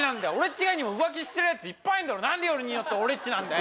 意外にも浮気してるヤツいっぱいいんだろ何でよりによって俺っちなんだよ